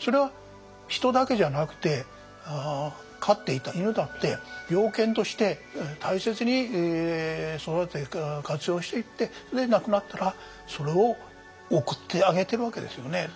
それは人だけじゃなくて飼っていた犬だって猟犬として大切に育てて活用していってで亡くなったらそれを送ってあげてるわけですよね。